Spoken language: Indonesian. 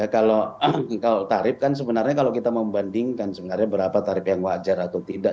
kalau tarif kan sebenarnya kalau kita membandingkan sebenarnya berapa tarif yang wajar atau tidak